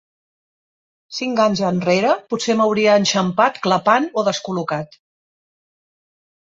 Cinc anys enrere potser m'hauria enxampat clapant o descol·locat.